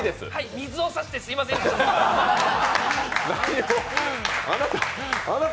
水を差してすみませんでした。